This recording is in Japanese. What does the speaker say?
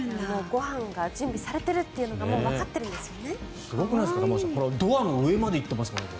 ご飯が準備されてるというのがすごくないですか玉川さんドアの上までいってますからね。